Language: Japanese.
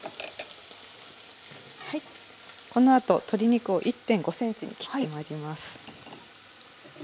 このあと鶏肉を１．５ｃｍに切ってまいります。